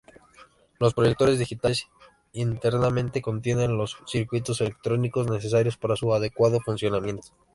Los proyectores digitales, internamente, contienen los circuitos electrónicos necesarios para su adecuado funcionamiento.